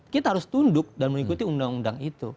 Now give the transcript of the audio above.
kita harus tunduk dan mengikuti undang undang itu